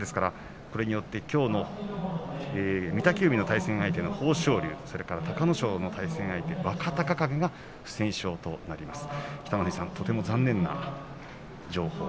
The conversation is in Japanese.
これによって、きょうの御嶽海の対戦相手の豊昇龍、それから隆の勝の対戦相手、若隆景が不戦勝となります。